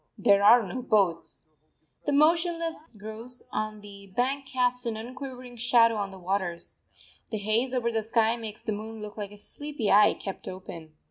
There are no boats. The motionless groves on the bank cast an unquivering shadow on the waters. The haze over the sky makes the moon look like a sleepy eye kept open.